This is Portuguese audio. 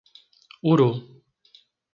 Uru